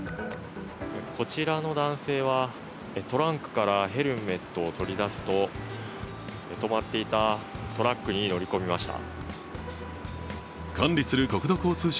こちらの男性はトランクからヘルメットを取り出すと、止まっていたトラックに乗り込みました。